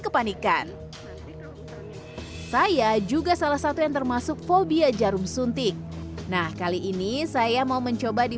kepanikan saya juga salah satu yang termasuk fobia jarum suntik nah kali ini saya mau mencoba di